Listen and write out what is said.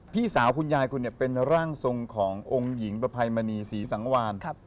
พี่สาวคุณยายคุณเป็นร่างทรงขององค์หญิงประภัยมณีศรีสังวาน